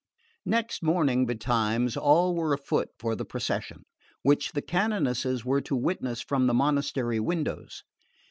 Next morning betimes all were afoot for the procession, which the canonesses were to witness from the monastery windows.